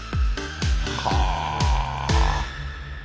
はあ。